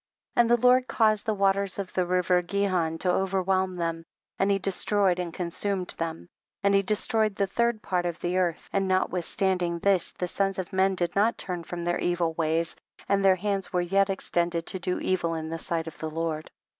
6. And the Lord caused the wa ters of the river Gihon to overwhelm them, and he destroyed and consu med them, and he destroyed the third part of the earth ; and notwithstand ing this, the sons of men did not turn from their evil ways, and their hands were yet extended to do evil in the sight of the Lord.